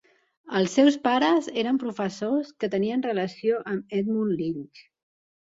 Els seus pares eren professors que tenien relació amb Edmund Leach.